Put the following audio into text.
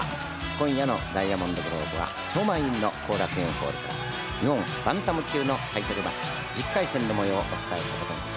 今夜の『ダイヤモンドグローブ』は超満員の後楽園ホールから日本バンタム級のタイトルマッチ１０回戦のもようをお伝えすることにいたしましょう。